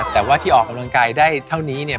แต่ว่าที่ออกกำลังกายได้เท่านี้เนี่ย